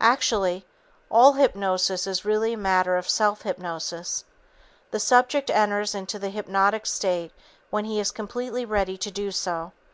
Actually, all hypnosis is really a matter of self hypnosis. The subject enters into the hypnotic state when he is completely ready to do so.